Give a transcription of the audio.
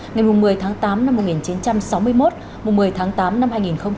ngày một mươi tháng tám năm một nghìn chín trăm sáu mươi một một mươi tháng tám năm hai nghìn hai mươi